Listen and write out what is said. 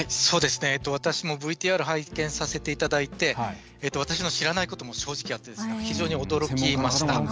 私もＶＴＲを拝見させていただいて私の知らないことも、正直あって非常に驚きました。